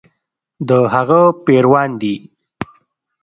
د هغه پیروان دي.